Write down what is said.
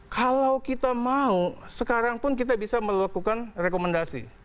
kalau kita mau sekarang pun kita bisa melakukan rekomendasi